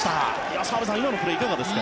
澤部さん、今のプレーいかがですか。